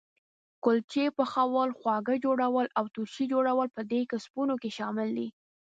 کلچې پخول، خواږه جوړول او ترشي جوړول په دې کسبونو کې شامل دي.